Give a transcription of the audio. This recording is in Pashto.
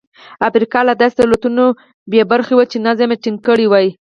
افریقا له داسې دولتونو بې برخې وه چې نظم ټینګ کړي وای.